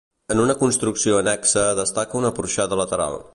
En una construcció annexa destaca una porxada lateral.